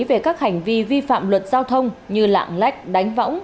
về các hành vi vi phạm luật giao thông như lạng lách đánh võng